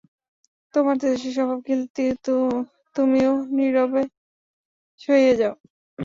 তোমার তেজস্বী স্বভাব, কিন্তু তুমিও নীরবে সহিয়া যাও।